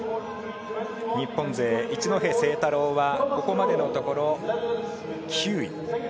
日本勢、一戸誠太郎はここまでのところ９位。